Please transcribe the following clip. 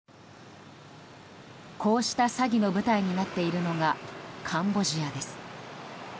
こうした詐欺の舞台になっているのがカンボジアです。